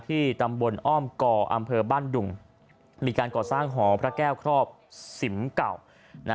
ตำบลอ้อมก่ออำเภอบ้านดุงมีการก่อสร้างหอพระแก้วครอบสิมเก่านะ